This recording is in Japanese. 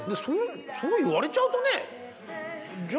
そう言われちゃうとね。